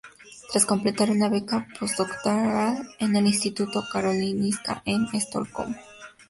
Tras completar una beca postdoctoral en el Instituto Karolinska en Estocolmo.